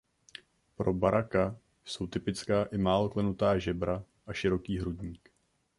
Pro baraka jsou typická i málo klenutá žebra a široký hrudník.